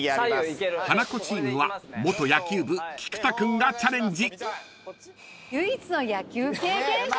［ハナコチームは元野球部菊田君がチャレンジ］